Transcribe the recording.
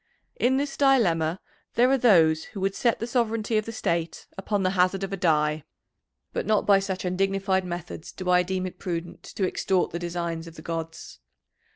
In this dilemma there are those who would set the sovereignty of the State upon the hazard of a die. But not by such undignified methods do I deem it prudent to extort the designs of the gods.